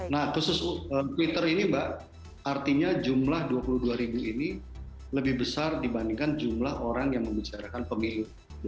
nah khusus twitter ini mbak artinya jumlah dua puluh dua ribu ini lebih besar dibandingkan jumlah orang yang membicarakan pemilu dua ribu dua puluh